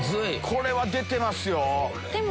これは出てますよ。